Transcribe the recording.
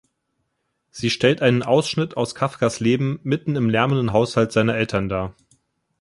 Sie stellt einen Ausschnitt aus Kafkas Leben mitten im lärmenden Haushalt seiner Eltern dar.